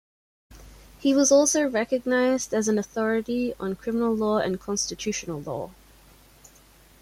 He was also recognised as an authority on Criminal Law and Constitutional Law.